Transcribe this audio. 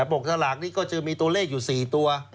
ปกสลากนี้ก็จะมีตัวเลขอยู่๔ตัว